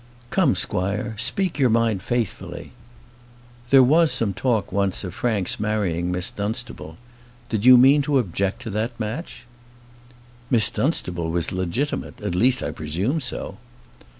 "Come, squire, speak your mind faithfully. There was some talk once of Frank's marrying Miss Dunstable; did you mean to object to that match?" "Miss Dunstable was legitimate; at least, I presume so."